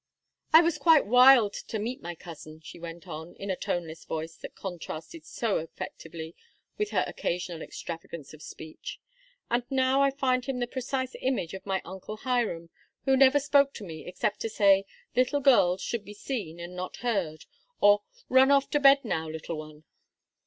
"I was quite wild to meet my cousin," she went on, in the toneless voice that contrasted so effectively with her occasional extravagance of speech; "and now I find him the precise image of my uncle Hiram, who never spoke to me except to say: 'Little girls should be seen and not heard,' or 'Run off to bed now, little one.'"